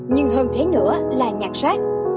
nhưng hơn thế nữa là nhặt rác